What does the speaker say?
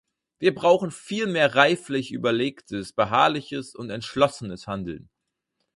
Wir brauchen vielmehr reiflich überlegtes, beharrliches und entschlossenes Handeln.